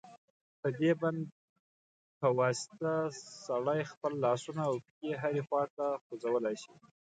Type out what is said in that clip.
په دې بند په واسطه سړی خپل لاسونه او پښې هرې خواته خوځولای شي.